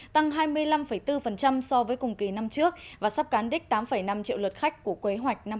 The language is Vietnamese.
tăng hai mươi năm bốn so với cùng kỳ năm trước và sắp cán đích tám năm triệu lượt khách của quế hoạch năm hai nghìn một mươi sáu